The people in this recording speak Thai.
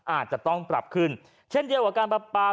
อาจจะต้องปรับขึ้นเช่นเดียวกับการปรับปลา